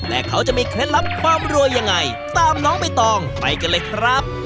และเขาจะมีเคล็ดลับความรวยยังไงตามน้องใบตองไปกันเลยครับ